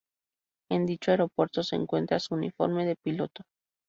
En dicho aeropuerto se encuentra su uniforme de piloto.